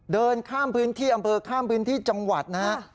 เดินข้ามพื้นที่อำเภอข้ามพื้นที่จังหวัดนะฮะ